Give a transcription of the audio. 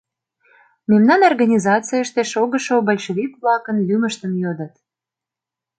Мемнан организаиийыште шогышо большевик-влакын лӱмыштым йодыт.